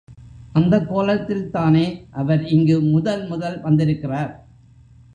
அந்தக் கோலத்தில்தானே அவர் இங்கு முதல் முதல் வந்திருக்கிறார்.